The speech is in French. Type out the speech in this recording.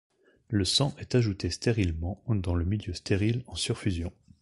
Le sang est ajouté stérilement dans le milieu stérile en surfusion.